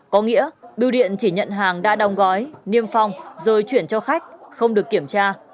có nghĩa biêu điện chỉ nhận hàng đã đong gói niêm phong rồi chuyển cho khách không được kiểm tra